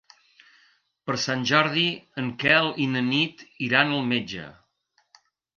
Per Sant Jordi en Quel i na Nit iran al metge.